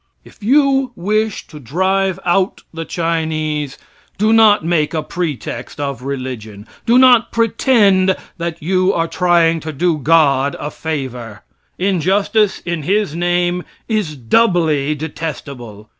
If you wish to drive out the Chinese, do not make a pretext of religion. Do not pretend that you are trying to do God a favor. Injustice in His name is doubly detestable.